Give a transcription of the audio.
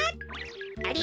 あれ？